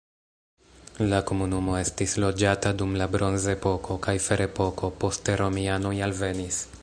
La komunumo estis loĝata dum la bronzepoko kaj ferepoko, poste romianoj alvenis.